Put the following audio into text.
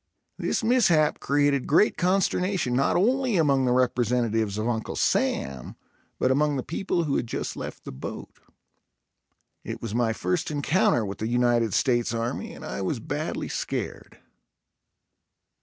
This mishap created great consternation not only among the representatives of Uncle Sam, but among the people who had just left the boat. It was my first encounter with the United States Army and I was badly scared.